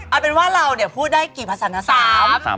เอาเป็นว่าเราเนี่ยพูดได้กี่ภาษา